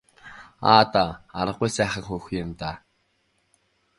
Аа даа аргагүй л сайхан хүүхэн юм даа.